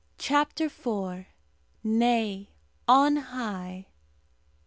CHAPTER IV. NAY; ON HIGH!